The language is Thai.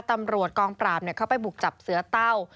ตำรวจกองปราบเขาไปบุกจับเสือเต้า